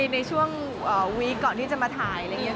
ในช่วงวีคก่อนที่จะมาถ่ายอะไรอย่างนี้